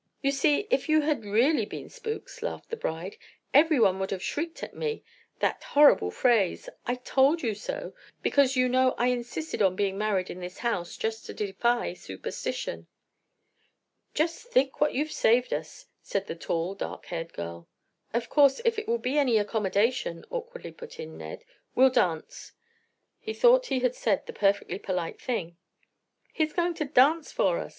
"You see if you had really been spooks," laughed the bride, "everyone would have shrieked at me that horrible phrase, 'I told you so,' because you know I insisted upon being married in this house, just to defy superstition." "Just think what you've saved us!" said the tall, dark haired girl. "Of course if it will be any accommodation," awkwardly put in Ned, "we'll dance." He thought he had said the perfectly polite thing. "He's going to dance for us!"